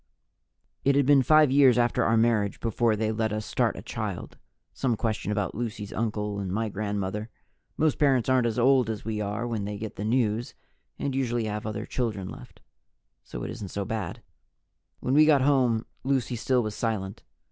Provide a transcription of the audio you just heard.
It had been five years after our marriage before they let us start a child: some question about Lucy's uncle and my grandmother. Most parents aren't as old as we are when they get the news and usually have other children left, so it isn't so bad. When we got home, Lucy still was silent.